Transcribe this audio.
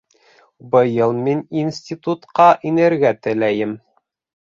Быйыл мин институтҡа инергә теләйем